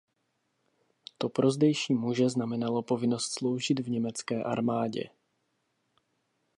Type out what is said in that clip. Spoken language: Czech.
To pro zdejší muže znamenalo povinnost sloužit v německé armádě.